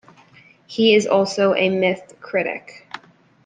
He is also a myth critic.